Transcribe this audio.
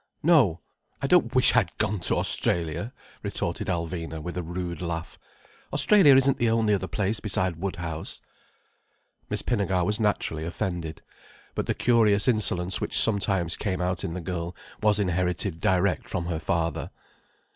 "No, I don't wish I had gone to Australia," retorted Alvina with a rude laugh. "Australia isn't the only other place besides Woodhouse." Miss Pinnegar was naturally offended. But the curious insolence which sometimes came out in the girl was inherited direct from her father.